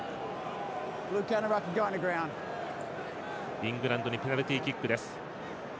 イングランドにペナルティキックです。